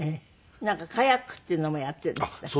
なんかカヤックっていうのもやっているんですって？